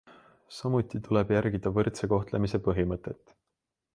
Samuti tuleb järgida võrdse kohtlemise põhimõtet.